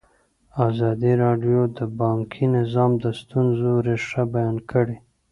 ازادي راډیو د بانکي نظام د ستونزو رېښه بیان کړې.